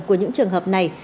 của những trường hợp này